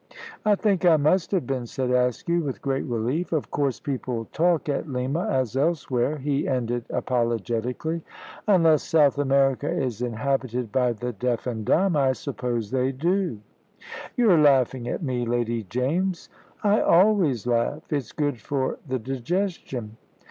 "I think I must have been," said Askew, with great relief. "Of course, people talk at Lima, as elsewhere," he ended apologetically. "Unless South America is inhabited by the deaf and dumb, I suppose they do." "You're laughing at me, Lady James." "I always laugh. It's good for the digestion."